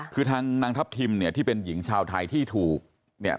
คือทางนางทัพทิมเนี่ยที่เป็นหญิงชาวไทยที่ถูกเนี่ย